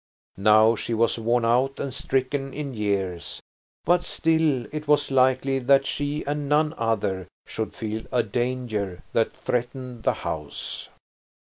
Now she was worn out and stricken in years, but still it was likely that she and none other should feel a danger that threatened the house.